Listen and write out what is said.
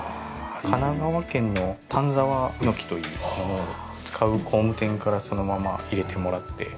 神奈川県の丹沢桧というのを使う工務店からそのまま入れてもらって。